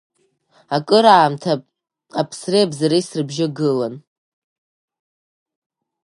Акыраамҭа аԥсреи абзареи срыбжьагылан.